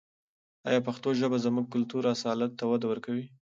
آیا پښتو ژبه زموږ کلتوري اصالت ته وده ورکوي؟